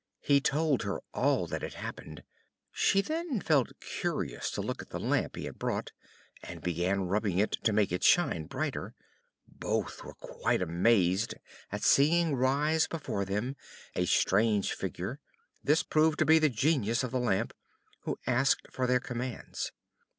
He told her all that had happened; she then felt curious to look at the Lamp he had brought, and began rubbing it, to make it shine brighter. Both were quite amazed at seeing rise before them a strange figure; this proved to be the Genius of the Lamp, who asked for their commands.